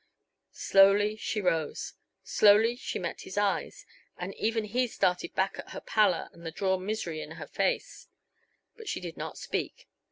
Slowly she rose, slowly she met his eyes, and even he started back at her pallor and the drawn misery in her face. But she did not speak.